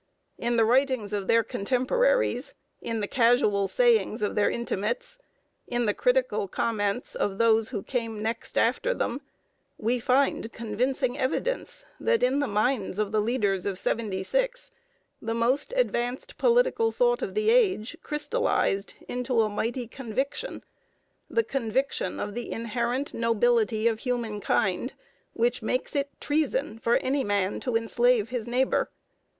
In the writings of their contemporaries, in the casual sayings of their intimates, in the critical comments of those who came next after them, we find convincing evidence that in the minds of the leaders of '76 the most advanced political thought of the age crystallized into a mighty conviction the conviction of the inherent nobility of humankind, which makes it treason for any man to enslave his neighbor.